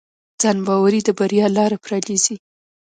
ځانباوري د بریا لاره پرانیزي.